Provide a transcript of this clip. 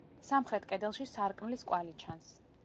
სამხრეთ კედელში სარკმლის კვალი ჩანს.